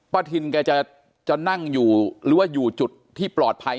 ทินแกจะนั่งอยู่หรือว่าอยู่จุดที่ปลอดภัย